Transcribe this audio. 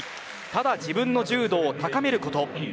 ただ自分の柔道を高めること。